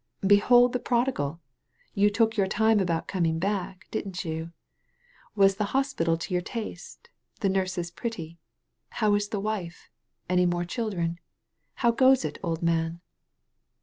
'^Behold the prodigal! You took your time about coming back, didn't you ? Was the hospital to your taste, the nurses pretty? How is the wife? Any more children? How goes it, old man?"